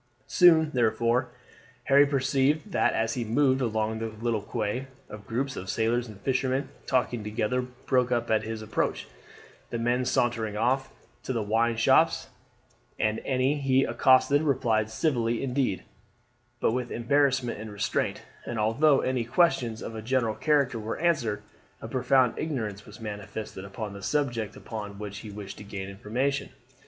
Soon, therefore, Harry perceived that as he moved along the quay little groups of sailors and fishermen talking together broke up at his approach, the men sauntering off to the wine shops, and any he accosted replied civilly indeed, but with embarrassment and restraint; and although any questions of a general character were answered, a profound ignorance was manifested upon the subject upon which he wished to gain information.